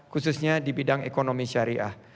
khususnya di bidang ekonomi syariah